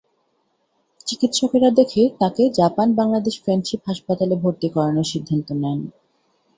চিকিৎসকেরা দেখে তাঁকে জাপান বাংলাদেশ ফ্রেন্ডশিপ হাসপাতালে ভর্তি করানোর সিদ্ধান্ত নেন।